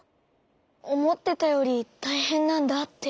おもってたよりたいへんなんだって。